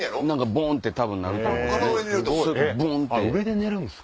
ボン！って多分なると思います。